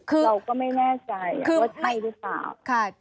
เราก็ไม่แน่ใจว่าใช่หรือเปล่า